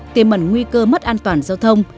tiềm ẩn nguy cơ mất an toàn giao thông